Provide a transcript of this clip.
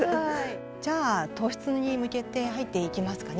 じゃあ灯室に向けて入っていきますかね。